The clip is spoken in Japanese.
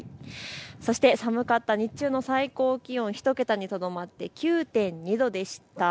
そして寒かった日中の最高気温、１桁にとどまって９．２度でした。